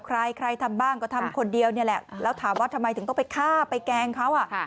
ใครใครทำบ้างก็ทำคนเดียวนี่แหละแล้วถามว่าทำไมถึงต้องไปฆ่าไปแกล้งเขา